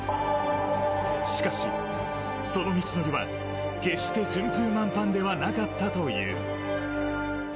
しかし、その道のりは決して順風満帆ではなかったという。